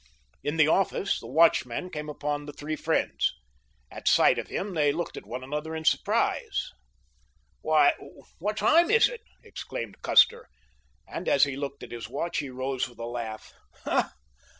In the office the watchman came upon the three friends. At sight of him they looked at one another in surprise. "Why, what time is it?" exclaimed Custer, and as he looked at his watch he rose with a laugh.